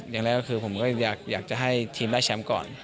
อย่างแรกก็คือผมก็อยากจะให้ทีมได้แชมป์ก่อน